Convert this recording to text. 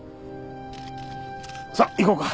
さあ行こうか！